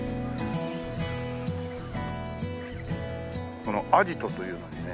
このあじとというのにね